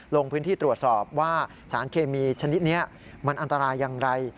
ลงพื้นที่ตรวจสอบว่าสารเคมีชนิดนี้มันอันตรายอย่างไร